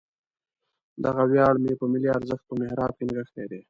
دغه ویاړ مې په ملي ارزښت په محراب کې نغښتی دی.